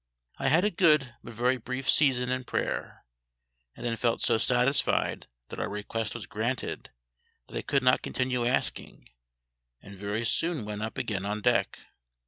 I had a good but very brief season in prayer, and then felt so satisfied that our request was granted that I could not continue asking, and very soon went up again on deck.